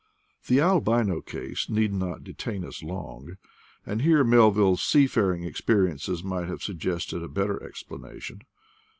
The albino case need not detain us long; and here Melville's seafaring experiences might have suggested a better explanation.